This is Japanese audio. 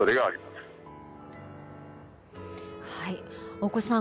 大越さん